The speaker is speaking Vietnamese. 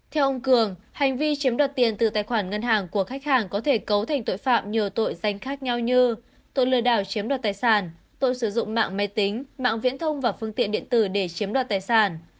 theo ông cường hành vi chiếm đoạt tiền từ tài khoản ngân hàng của khách hàng có thể cấu thành tội phạm nhiều tội danh khác nhau như tội lừa đảo chiếm đoạt tài sản tội sử dụng mạng máy tính mạng viễn thông và phương tiện điện tử để chiếm đoạt tài sản